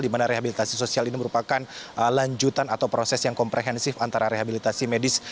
di mana rehabilitasi sosial ini merupakan lanjutan atau proses yang komprehensif antara rehabilitasi medis